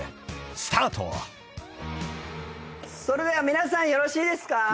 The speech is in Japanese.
それでは皆さんよろしいですか？